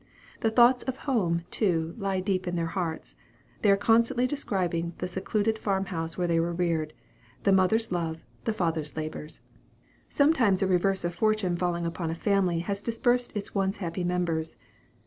The thoughts of home, too, lie deep in their hearts. They are constantly describing the secluded farm house where they were reared, the mother's love, the father's labors. Sometimes a reverse of fortune falling upon a family has dispersed its once happy members.